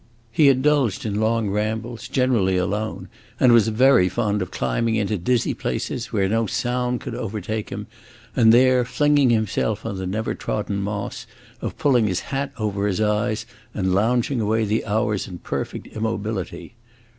He indulged in long rambles, generally alone, and was very fond of climbing into dizzy places, where no sound could overtake him, and there, flinging himself on the never trodden moss, of pulling his hat over his eyes and lounging away the hours in perfect immobility.